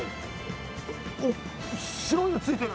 あっ白いの付いてる。